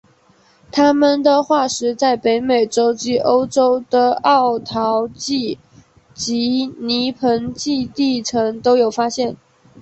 它们的化石在北美洲及欧洲的奥陶纪及泥盆纪地层都有发现。